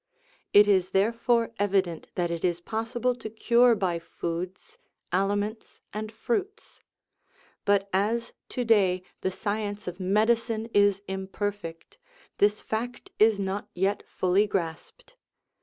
It is therefore evident that it is possible to cure by foods, aliments, and fruits; but as to day the science of medicine is imperfect, this fact is not yet fully grasped.